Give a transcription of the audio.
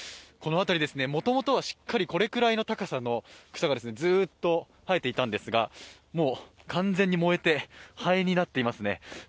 この辺り、もともとはしっかりこれくらいの高さの草がずっと生えていたんですがもう、完全に燃えて灰になっていますね。